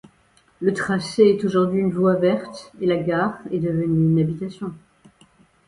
Le tracé est aujourd'hui une voie verte et la gare est devenue une habitation.